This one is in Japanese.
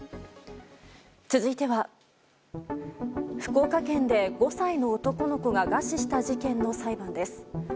続いては福岡県で５歳の男の子が餓死した事件の裁判です。